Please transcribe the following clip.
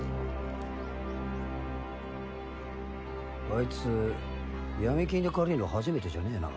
あいつ闇金で借りるの初めてじゃねぇな。